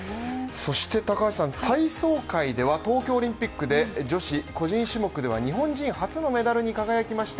そして、体操界では東京オリンピックで女子個人種目では日本人初のメダルに輝きました